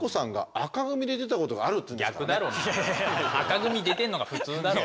紅組出てんのが普通だろ！